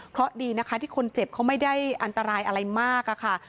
เพราะดีนะคะที่คนเจ็บเขาไม่ได้อันตรายอะไรมากอะค่ะ